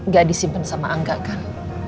gak disimpan sama angga kan